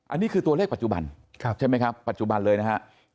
อันนี้คือตัวเลขปัจจุบันใช่ไหมครับปัจจุบันเลยนะครับ